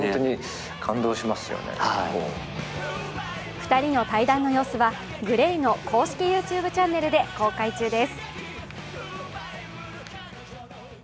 ２人の対談の様子はＧＬＡＹの公式ＹｏｕＴｕｂｅチャンネルで公開中です。